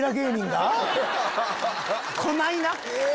「こないな」？